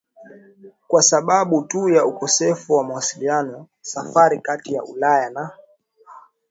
kwa sababu tu ya ukosefu wa mawasiliano Safari kati ya Ulaya na